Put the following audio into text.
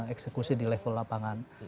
eksekusi di level lapangan